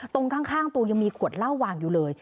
ตรงข้างตัวยังมีขวดเหล้าวางอยู่เลย